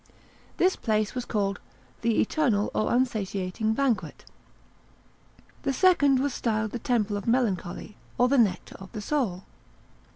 This palace was called "The Eternal or Unsatiating Banquet." The second was styled "The Temple of Melody, or the Nectar of the Soul."